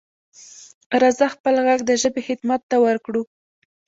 راځه خپل غږ د ژبې خدمت ته ورکړو.